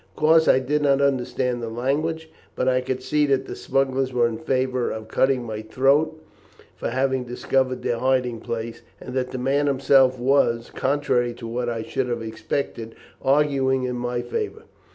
Of course I did not understand the language, but I could see that the smugglers were in favour of cutting my throat for having discovered their hiding place, and that the man himself was, contrary to what I should have expected, arguing in my favour.